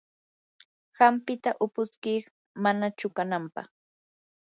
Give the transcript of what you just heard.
hampita upuntsik mana chuqanapaq.